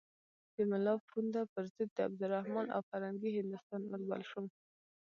د ملا پوونده پر ضد د عبدالرحمن او فرنګي هندوستان اور بل شو.